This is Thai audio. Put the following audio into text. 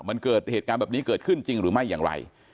มันเกิดเหตุการณ์แบบนี้เกิดขึ้นจริงหรือไม่อย่างไร